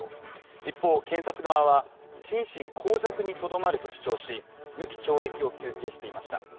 一方検察側は心神耗弱にとどまると主張し、無期懲役を求刑していました。